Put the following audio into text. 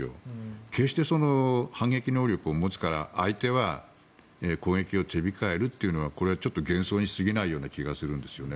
決して反撃能力を持つから相手は攻撃を手控えるというのはこれは幻想にすぎないような気がするんですよね。